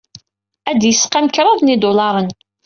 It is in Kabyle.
Ad d-yesqam kṛad n yidulaṛen.